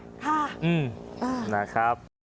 ขอบคุณครับ